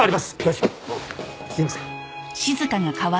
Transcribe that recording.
すいません。